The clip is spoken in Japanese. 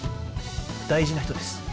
大事な人です。